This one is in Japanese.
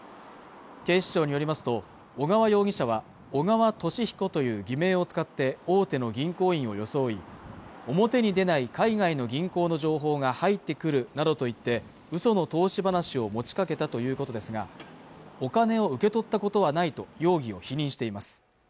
警視庁によりますと小川容疑者は小川俊彦という偽名を使って大手の銀行員を装い表に出ない海外の銀行の情報が入ってくるなどと言って嘘の投資話を持ちかけたということですがお金を受け取ったことはないと容疑を否認しています